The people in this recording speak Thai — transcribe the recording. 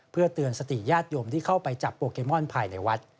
เพื่อเตือนสติญาติโยมที่เข้าไปจับโปเกมอนภายในวัด